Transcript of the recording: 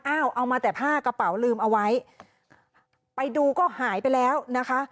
เอามาแต่ผ้ากระเป๋าลืมเอาไว้ไปดูก็หายไปแล้วนะคะ